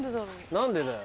何でだよ。